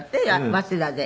早稲田で。